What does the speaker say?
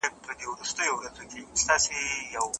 درته په قهر خدای او انسان دی